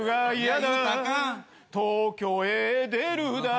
「東京へ出るだ」